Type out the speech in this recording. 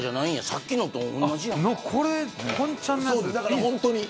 さっきのと同じやんか。